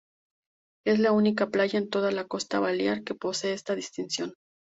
Es la única playa en toda la costa balear que posee esta distinción.